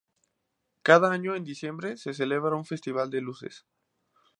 Cada año en diciembre se celebra un festival de luces.